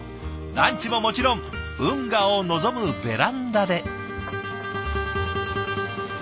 ランチももちろん運河を望むベランダで。